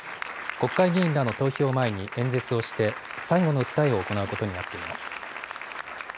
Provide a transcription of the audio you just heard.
国会議員らの投票前に演説をして、最後の訴えを行うことになっています。